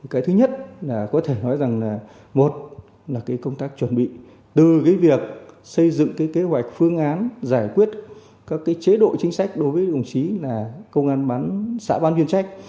cái thứ nhất là có thể nói rằng là một là công tác chuẩn bị từ việc xây dựng kế hoạch phương án giải quyết các chế độ chính sách đối với đồng chí là công an xã ban viên trách